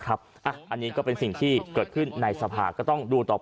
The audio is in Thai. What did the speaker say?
อันนี้เป็นสิ่งที่เกิดขึ้นในสารภาคก็ต้องดู